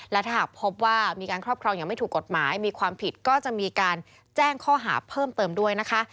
และถ้าหากพบว่ามีการครอบครองอย่างไม่ถูกกฎหมายมีความผิดก็จะมีการแจ้งข้อหาเพิ่มเติมด้วยนะคะ